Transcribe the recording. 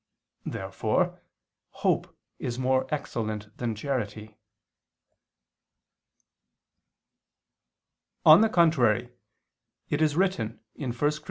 Therefore hope is more excellent than charity. On the contrary, It is written (1 Cor.